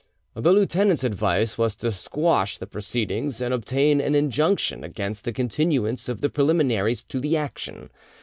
The lieutenant's advice was to quash the proceedings and obtain an injunction against the continuance of the preliminaries to the action.